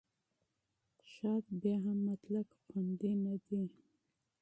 شات بیا هم مطلق خوندي نه دی.